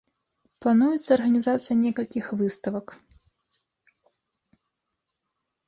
Плануецца арганізацыя некалькіх выставак.